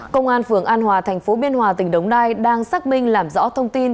công an phường an hòa thành phố biên hòa tỉnh đống đai đang xác minh làm rõ thông tin